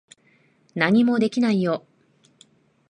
何もできないよ。